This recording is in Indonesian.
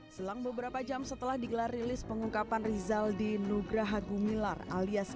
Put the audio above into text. selang beberapa jam setelah digelar rilis pengungkapan rizaldi nugraha gumilar alias